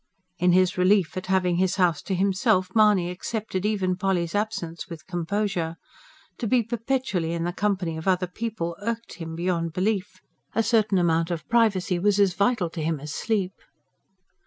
In his relief at having his house to himself, Mahony accepted even Polly's absence with composure. To be perpetually in the company of other people irked him beyond belief. A certain amount of privacy was as vital to him as sleep.